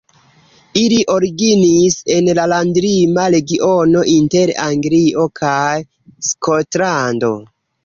Ili originis en la landlima regiono inter Anglio kaj Skotlando.